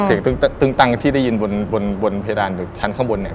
เสียงตึงตังที่ได้ยินบนเพดานชั้นข้างบนเนี่ย